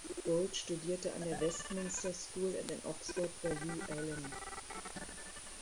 Boult studierte an der Westminster School und in Oxford bei Hugh Allen.